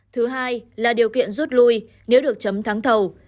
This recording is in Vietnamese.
thứ hai là điều kiện rút lui nếu được chấm thắng thầu